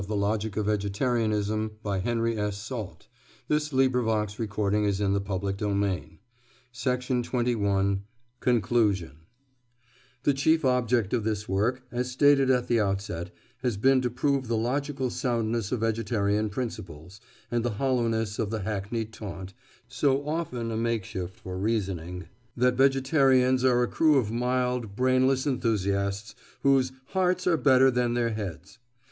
The part without the whole is undeniably powerless; but so also, as it happens, is the whole without the part. CONCLUSION The chief object of this work, as stated at the outset, has been to prove the logical soundness of vegetarian principles, and the hollowness of the hackneyed taunt, so often a makeshift for reasoning, that vegetarians are a crew of mild brainless enthusiasts whose "hearts are better than their heads."